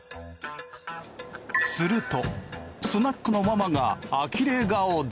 するとスナックのママがあきれ顔で。